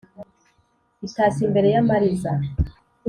. Itashye imbere y’amariza